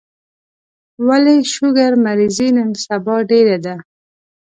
ولي شوګر مريضي نن سبا ډيره ده